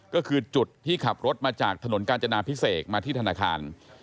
ก็คือจุดที่ขับรถมาจากถนนกาญจนาพิเศษมาที่ธนาคาร